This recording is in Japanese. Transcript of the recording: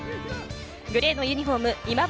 グレーのユニホーム今治